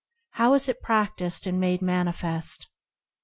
How is it practised and made manifest?